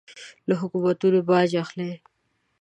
له حکومتونو باج اخلي.